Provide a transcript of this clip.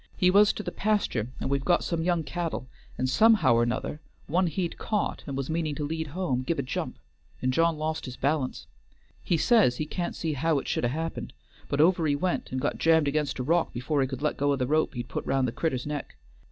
He was to the pasture, and we've got some young cattle, and somehow or 'nother one he'd caught and was meaning to lead home give a jump, and John lost his balance; he says he can't see how 't should 'a' happened, but over he went and got jammed against a rock before he could let go o' the rope he'd put round the critter's neck.